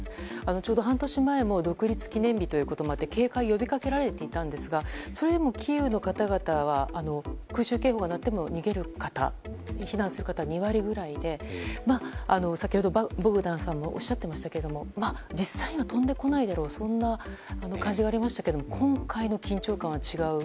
ちょうど半年前の独立記念日とあって警戒が呼びかけられていましたがそれでもキーウの方々は空襲警報が鳴っても逃げる方避難する方は２割ぐらいで先ほどもありましたが実際には飛んでこないだろうというそんな感じがありましたけども今回の緊張感は違う。